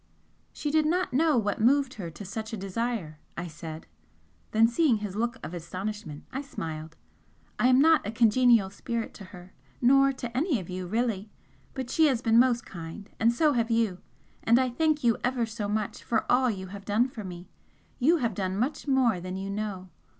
"She did not know what moved her to such a desire," I said, then, seeing his look of astonishment, I smiled; "I am not a congenial spirit to her, nor to any of you, really! but she has been most kind, and so have you and I thank you ever so much for all you have done for me you have done much more than you know!